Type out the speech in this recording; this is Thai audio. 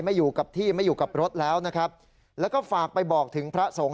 ไม่อยู่กับที่ไม่อยู่กับรถแล้วนะครับแล้วก็ฝากไปบอกถึงพระสงฆ์